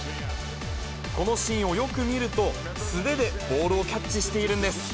このシーンをよく見ると、素手でボールをキャッチしているんです。